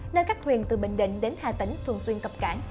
nơi các thuyền từ bình định đến hai tỉnh thường xuyên cập cảng